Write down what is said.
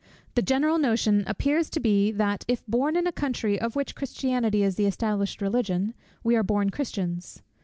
The general notion appears to be, that, if born in a country of which Christianity is the established religion, we are born Christians.